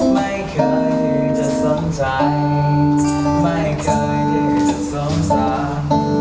ไม่เคยที่จะสนใจไม่เคยที่จะสงสัย